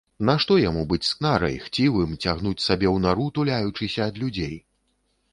Нашто яму быць скнарай, хцівым, цягнуць сабе у нару, туляючыся ад людзей?